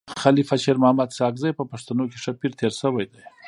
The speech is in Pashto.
خلیفه شیرمحمد ساکزی په پښتنو کي ښه پير تير سوی دی.